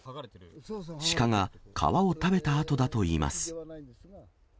シカが皮を食べた跡だといいます。